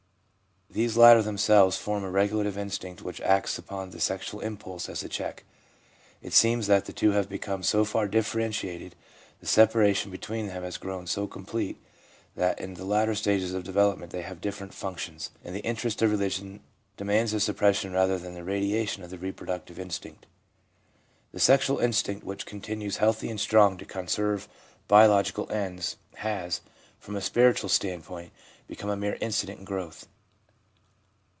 These latter themselves form a regulative instinct which acts VIEW OF THE LINE OF RELIGIOUS GROWTH 403 upon the sexual impulse as a check. It seems that the two have become so far differentiated, the separation between them has grown so complete, that in the later stages of development they have different functions, and the interest of religion demands the suppression rather than the radiation of the reproductive instinct. The sexual instinct, which continues healthy and strong to conserve biological ends, has, from a spiritual stand point, become a mere incident in growth.